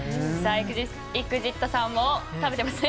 ＥＸＩＴさんも食べてますね。